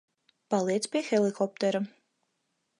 Paliec pie helikoptera.